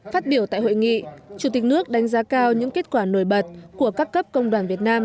phát biểu tại hội nghị chủ tịch nước đánh giá cao những kết quả nổi bật của các cấp công đoàn việt nam